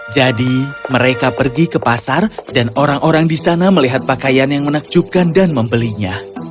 jadi mereka pergi ke pasar dan orang orang di sana melihat pakaian yang menakjubkan dan membelinya